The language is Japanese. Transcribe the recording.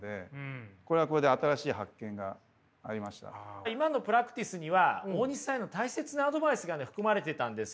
これはこれで今のプラクティスには大西さんへの大切なアドバイスが含まれてたんです。